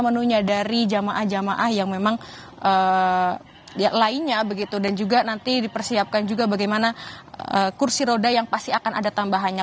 menunya dari jamaah jamaah yang memang lainnya begitu dan juga nanti dipersiapkan juga bagaimana kursi roda yang pasti akan ada tambahannya